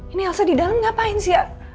ini elsa di dalam ngapain sih